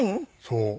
そう。